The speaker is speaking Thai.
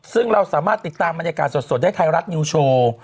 ซึ่งเราสามารถติดตามบรรยากาศสดได้ไทยรัฐนิวโชว์